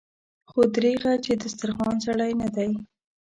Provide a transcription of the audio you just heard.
خو دريغه چې د دسترخوان سړی نه دی.